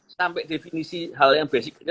sampai definisi hal yang basicnya